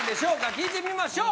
聞いてみましょう！